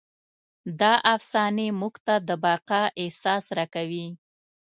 دا افسانې موږ ته د بقا احساس راکوي.